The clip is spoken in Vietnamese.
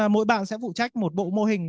mỗi bạn sẽ phụ trách một bộ mô hình